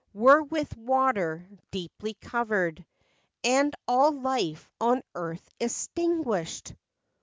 99 Were with water deeply covered, And all life on earth extinguished!